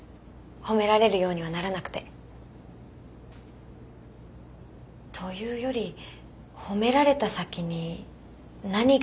褒められるようにはならなくて。というより褒められた先に何がありますか？